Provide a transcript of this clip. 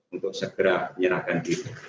untuk segera menyerahkan diri